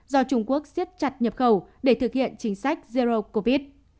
do trung quốc siết chặt nhập khẩu để thực hiện chính sách zero covid